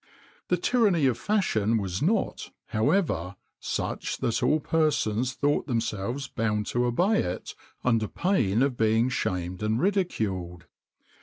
[XXIX 33] The tyranny of fashion was not, however, such that all persons thought themselves bound to obey it under pain of being shamed and ridiculed.